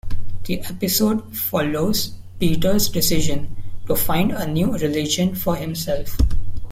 The episode follows Peter's decision to find a new religion for himself.